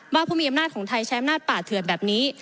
ผู้มีอำนาจของไทยใช้อำนาจป่าเถื่อนแบบนี้